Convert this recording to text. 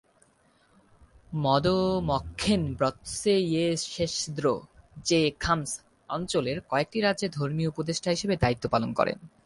ম্দো-ম্খ্যেন-ব্র্ত্সে-য়ে-শেস-র্দো-র্জে খাম্স অঞ্চলের কয়েকটি রাজ্যে ধর্মীয় উপদেষ্টা হিসেবে দায়িত্ব পালন করেন।